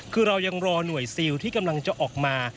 คือเรายังรอหน่วยซิลที่กำลังจะออกมา